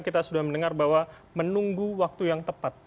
kita sudah mendengar bahwa menunggu waktu yang tepat